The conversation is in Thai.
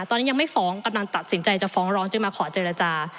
ตอนนี้ยังไม่ฟ้องกำลังตัดสินใจจะฟ้องร้องจนมาขอเจรจา